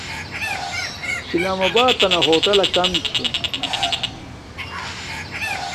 اسلام آباتنا ہوٹلہ کم چھے